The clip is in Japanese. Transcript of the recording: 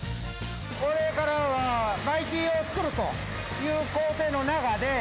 これからは培地を作るという工程の中で。